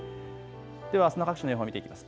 ではあすの各地の予報を見ていきます。